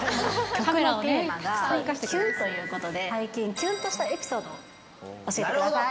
曲のテーマがキュンということで、最近、キュンとしたエピソードを教えてください。